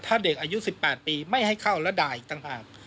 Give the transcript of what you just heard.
ถ้าเด็กอายุ๑๘ปีไม่ให้เข้าแล้วด่าอีกต่างหาก